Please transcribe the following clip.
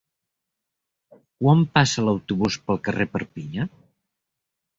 Quan passa l'autobús pel carrer Perpinyà?